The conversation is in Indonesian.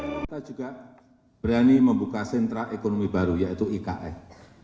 kita juga berani membuka sentra ekonomi baru yaitu ikn